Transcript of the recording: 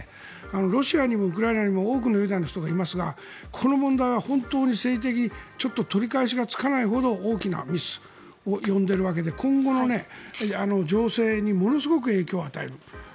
ロシアにもウクライナにも多くのユダヤの人がいますがこの問題は、本当に政治的に取り返しがつかないほど大きなミスを読んでいるわけで今後の情勢にものすごく影響を与える。